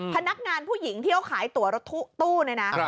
พนักงานผู้หญิงที่เขาขายตัวรถตู้เนี่ยนะ